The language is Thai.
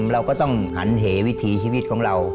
เราก็ต้องหันเหวิถีชีวิตของเรา